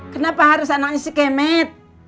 kenapa harus anaknya sikemet